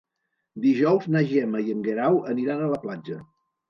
Dijous na Gemma i en Guerau aniran a la platja.